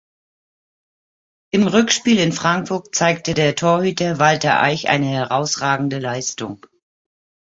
Im Rückspiel in Frankfurt zeigte der Torhüter Walter Eich eine herausragende Leistung.